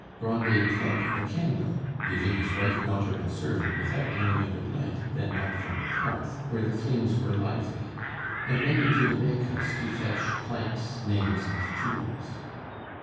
Grandet took the candle, leaving his wife, daughter, and servant without any other light than that from the hearth, where the flames were lively, and went into the bakehouse to fetch planks, nails, and tools.